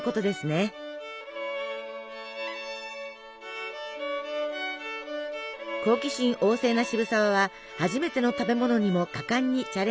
好奇心旺盛な渋沢は初めての食べ物にも果敢にチャレンジしていました。